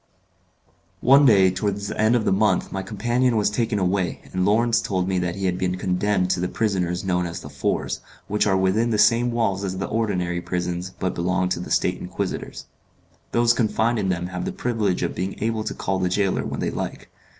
One day towards the end of the month my companion was taken away, and Lawrence told me that he had been condemned to the prisons known as The Fours, which are within the same walls as the ordinary prisons, but belong to the State Inquisitors. Those confined in them have the privilege of being able to call the gaoler when they like.